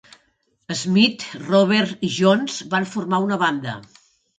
Smith, Roberts i Jones van formar una banda.